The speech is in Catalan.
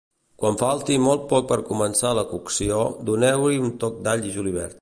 Quan falti molt poc per començar la cocció, doneu-hi un toc d'all i julivert.